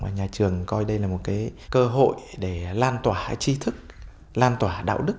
nhà trường coi đây là một cơ hội để lan tỏa chi thức lan tỏa đạo đức